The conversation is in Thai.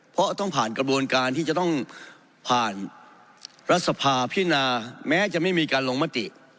เพราะต้องผ่านกระบวนการที่จะต้องผ่านรัฐสภาพินาแม้จะไม่มีการลงมติ